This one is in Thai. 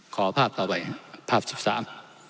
ขอภาพต่อไปภาพสิบสาม